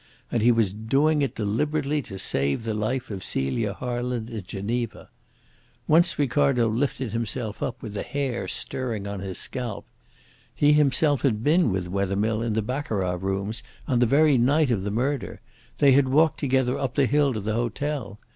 And he was doing it deliberately to save the life of Celia Harland in Geneva. Once Ricardo lifted himself up with the hair stirring on his scalp. He himself had been with Wethermill in the baccarat rooms on the very night of the murder. They had walked together up the hill to the hotel.